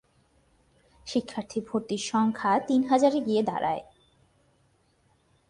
শিক্ষার্থী ভর্তির সংখ্যা তিন হাজারে গিয়ে দাঁড়ায়।